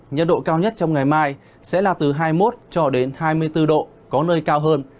nhiệt độ cao nhất trong ngày mai sẽ là từ hai mươi một cho đến hai mươi bốn độ có nơi cao hơn